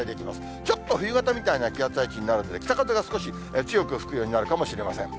ちょっと冬型みたいな気圧配置になるんで、北風が少し強く吹くようになるかもしれません。